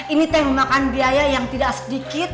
ini teman makan biaya yang tidak sedikit